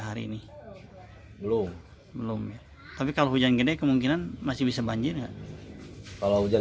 hari ini belum belum ya tapi kalau hujan gede kemungkinan masih bisa banjir kalau hujan